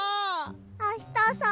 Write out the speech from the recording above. あしたさん